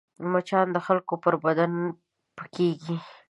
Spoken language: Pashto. مچان د خلکو پر بدن پکېږي